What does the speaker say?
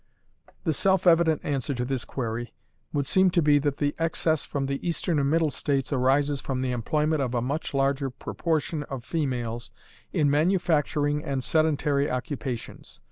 The self evident answer to this query would seem to be that the excess from the Eastern and Middle States arises from the employment of a much larger proportion of females in manufacturing and sedentary occupations.